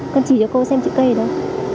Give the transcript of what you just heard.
con chỉ cho cô xem chữ cây ở đâu